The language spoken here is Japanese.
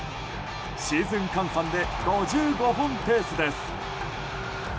シーズン換算で５５本ペースです。